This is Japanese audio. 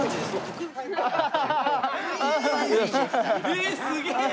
ええすげえ！